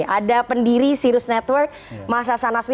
ada pendiri sirus network mas hasan nasmi